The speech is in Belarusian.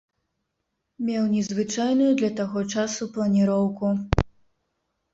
Меў незвычайную для таго часу планіроўку.